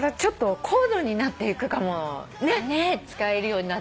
使えるようになったらね。